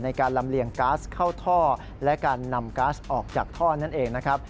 ในการลำเลียงก๊าซเข้าท่อและการนำก๊าซออกจากท่อนั่นเองนะครับ